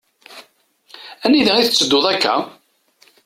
Anida i tetteddud akka?